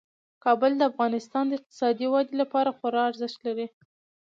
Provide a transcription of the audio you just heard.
کابل د افغانستان د اقتصادي ودې لپاره خورا ارزښت لري.